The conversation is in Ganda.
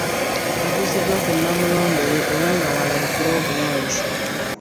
Atuuziddwa ku Namulondo ye era nga w'alabikira obulungi.